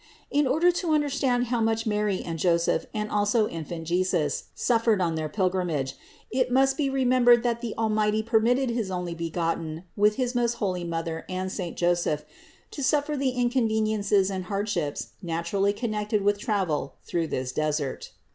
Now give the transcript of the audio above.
In order to understand how much Mary and Joseph and also the Infant Jesus suffered on their pilgrimage, it must be remembered that the Almighty permitted his Onlybe gotten, with his most holy Mother and saint Joseph, to suffer the inconveniences and hardships naturally con nected with travel through this desert.